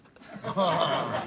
ああ。